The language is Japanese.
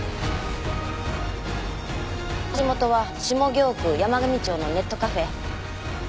発信元は下京区山神町のネットカフェ。